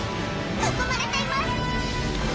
囲まれています！